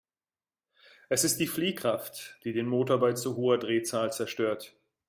Es ist die Fliehkraft, die den Motor bei zu hoher Drehzahl zerstört.